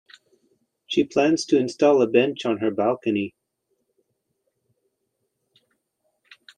She plans to install a bench on her balcony.